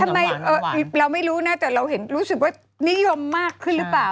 ทำไมเราไม่รู้นะแต่เราเห็นรู้สึกว่านิยมมากขึ้นหรือเปล่า